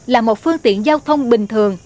là một phương tiện giao thông bình thường